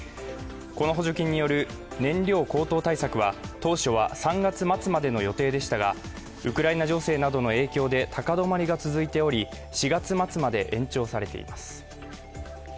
この補助金による燃料高騰対策は当初は３月末までの予定でしたがウクライナ情勢などの影響で高止まりが続いており、４月末まで延長されています。